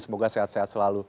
semoga sehat sehat selalu